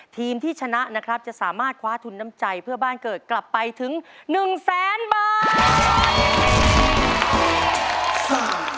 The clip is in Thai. ทีมที่ชนะนะครับจะสามารถคว้าทุนน้ำใจเพื่อบ้านเกิดกลับไปถึง๑แสนบาท